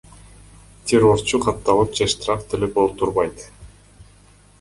Террорчу катталып же штраф төлөп олтурбайт.